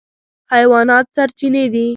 حیوانات سرچینې دي.